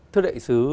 thưa đại sứ